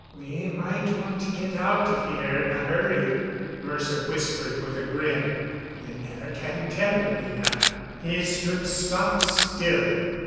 "We might want to get out of here in a hurry," Mercer whispered with a grin. "You never can tell, Anina." He stood stock still.